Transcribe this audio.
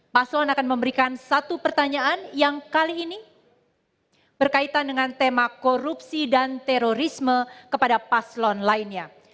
paslon akan memberikan satu pertanyaan yang kali ini berkaitan dengan tema korupsi dan terorisme kepada paslon lainnya